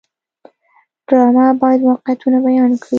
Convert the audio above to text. ډرامه باید واقعیتونه بیان کړي